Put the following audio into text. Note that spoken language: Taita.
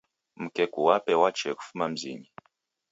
Mkeku wape wachee kufuma mzinyi.